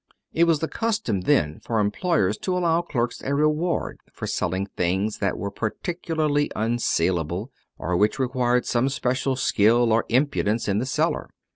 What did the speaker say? It was the custom then for employers to allow clerks a reward for selling things that were particularly unsalable, or which required some special skill or impudence in the seller.